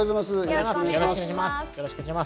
よろしくお願いします。